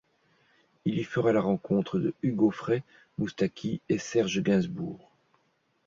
Il y fera la rencontre de Hugues Aufray, Moustaki et Serge Gainsbourg.